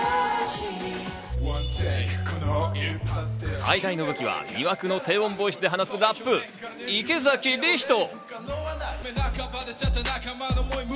最大の武器は魅惑の低音ボイスで放つラップ、池崎理人。